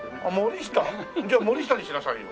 じゃあ「森下」にしなさいよ。